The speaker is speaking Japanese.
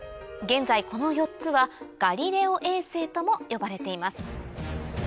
現在この４つはガリレオ衛星とも呼ばれています